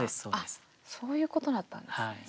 そういうことだったんですね。